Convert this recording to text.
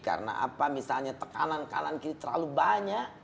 karena apa misalnya tekanan kanan kiri terlalu banyak